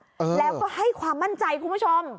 เออแล้วก็ให้ความมั่นใจคุณผู้ชม